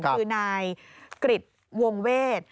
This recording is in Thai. คือนายกฤทธิ์วงเวศ